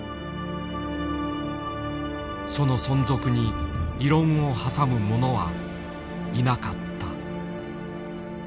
その存続に異論を挟む者はいなかった。